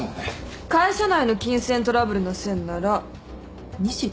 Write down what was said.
会社内の金銭トラブルの線なら西田？